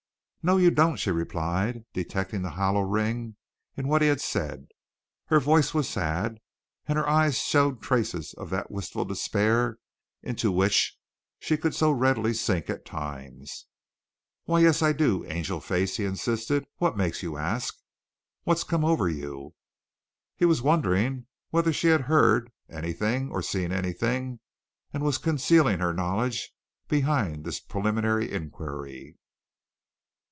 "No, you don't," she replied, detecting the hollow ring in what he said. Her voice was sad, and her eyes showed traces of that wistful despair into which she could so readily sink at times. "Why, yes I do, Angelface," he insisted. "What makes you ask? What's come over you?" He was wondering whether she had heard anything or seen anything and was concealing her knowledge behind this preliminary inquiry.